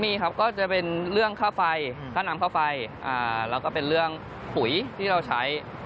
มีครับก็จะเป็นเรื่องค่าไฟค่าน้ำค่าไฟแล้วก็เป็นเรื่องปุ๋ยที่เราใช้